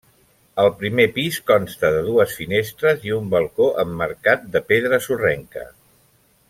El primer pis consta de dues finestres i un balcó emmarcat de pedra sorrenca.